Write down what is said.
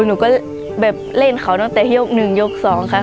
หนูเร่งเขาตั้งแต่โยก๑โยก๒ค่ะ